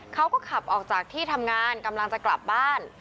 เขาก็ขับออกจากที่ทำงานกำลังจะกลับบ้าน